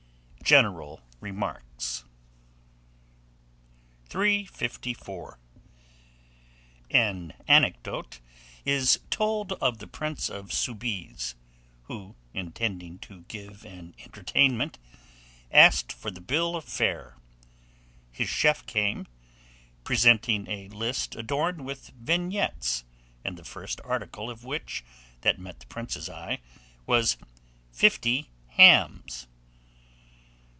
GENERAL REMARKS. 354. AN ANECDOTE IS TOLD of the prince de Soubise, who, intending to give an entertainment, asked for the bill of fare. His chef came, presenting a list adorned with vignettes, and the first article of which, that met the prince's eye, was "fifty hams."